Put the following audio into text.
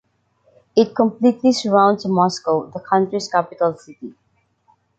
It completely surrounds Moscow, the country's capital city.